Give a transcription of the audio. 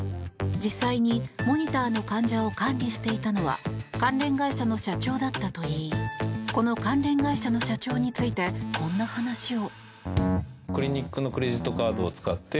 実際にモニターの患者を管理していたのは関連会社の社長だったといいこの関連会社の社長についてこんな話を。